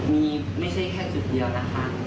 มีไม่ใช่แค่จุดเดียวนะคะ